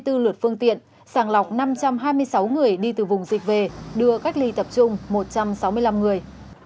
trong lượt phương tiện sàng lọc năm trăm hai mươi sáu người đi từ vùng dịch về đưa cách ly tập trung một trăm sáu mươi năm người